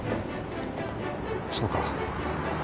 そうか。